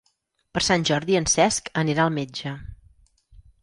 Per Sant Jordi en Cesc anirà al metge.